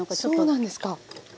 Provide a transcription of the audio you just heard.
そうなんですか。